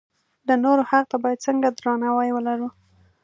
د نورو حق ته باید څنګه درناوی ولرو.